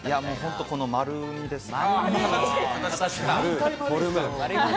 この丸ですね。